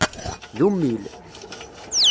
D ummil.